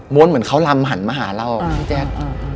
้วนเหมือนเขาลำหันมาหาเราพี่แจ๊ค